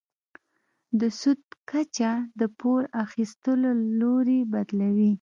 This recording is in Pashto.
د سود کچه د پور اخیستلو لوری بدلوي.